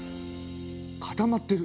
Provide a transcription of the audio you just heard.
固まってる。